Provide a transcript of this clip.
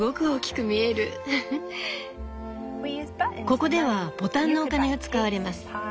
「ここではボタンのお金が使われます。